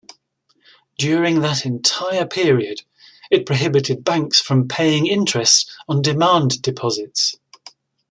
During that entire period, it prohibited banks from paying interest on demand deposits.